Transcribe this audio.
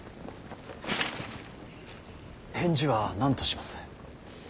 返事は何とします。